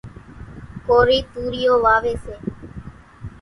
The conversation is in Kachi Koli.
ڪورِي توريئو واويَ سي۔